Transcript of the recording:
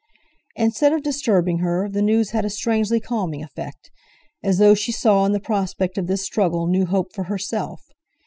Instead of disturbing her, the news had a strangely calming effect; as though she saw in the prospect of this struggle new hope for herself.